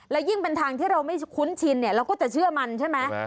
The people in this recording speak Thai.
และยิ่งเป็นทางที่เราไม่คุ้นชินเนี่ยเราก็จะเชื่อมันใช่ไหม